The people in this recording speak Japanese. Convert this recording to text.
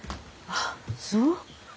あっそう。